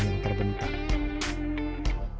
dan juga perjalanan yang terbentang